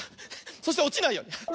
そしておちないように。